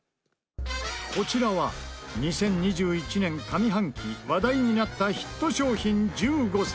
こちらは２０２１年上半期話題になったヒット商品１５選。